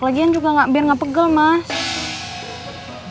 lagian juga biar nggak pegel mas